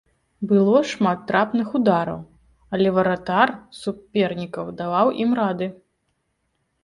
Было шмат трапных удараў, але варатар супернікаў даваў ім рады.